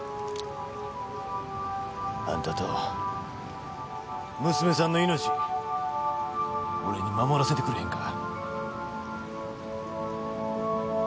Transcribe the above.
あんたと娘さんの命俺に守らせてくれへんか。